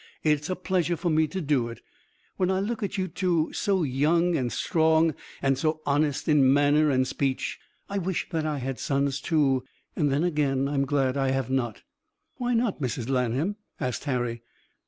It's a pleasure to me to do it. When I look at you two, so young and strong and so honest in manner and speech, I wish that I had sons too, and then again I'm glad I have not." "Why not, Mrs. Lanham?" asked Harry.